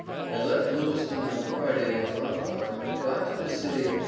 I left Lewiston on Friday at one o'clock, got to this city at five.